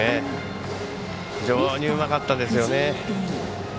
非常にうまかったですよね。